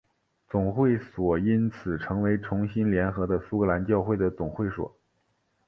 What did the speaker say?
总会所因此成为重新联合的苏格兰教会的总会所。